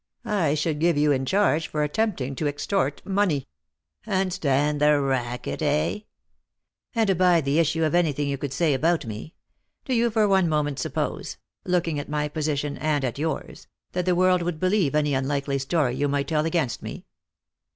I should give you in charge for attempting to extort money." "And stand the racket, eh ?"'" And abide the issue of anything you could say about me. Do you for one moment suppose — looking at my position and at yours — that the world would believe any unlikely story you might tell against me